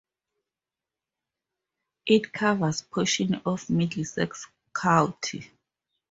It covers portions of Middlesex county.